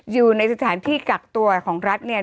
อยู่ในสถานที่กักตัวของรัฐเนี่ย